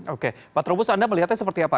oke pak trubus anda melihatnya seperti apa